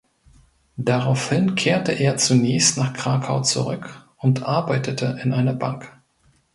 Daraufhin kehrte er zunächst nach Krakau zurück und arbeitete in einer Bank.